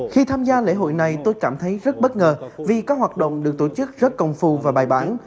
khi tham gia lễ hội này tôi cảm thấy rất bất ngờ vì các hoạt động được tổ chức rất công phu và bài bản